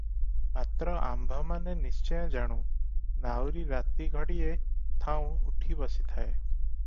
ମାତ୍ର ଆମ୍ଭମାନେ ନିଶ୍ଚୟ ଜାଣୁ, ନାଉରି ରାତି ଘଡ଼ିଏ ଥାଉଁ ଉଠି ବସିଥାଏ ।